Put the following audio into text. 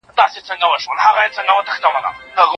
په تېرو جګړو کي بې ګناه خلګ ووژل سول.